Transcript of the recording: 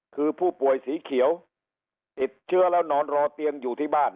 คือผู้ป่วยสีเขียวติดเชื้อแล้วนอนรอเตียงอยู่ที่บ้าน